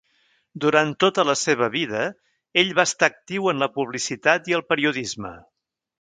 Durant tota la seva vida, ell va estar actiu en la publicitat i el periodisme.